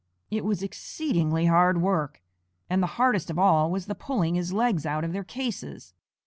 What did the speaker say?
It was exceedingly hard work, and the hardest of all was the pulling his legs out of their cases.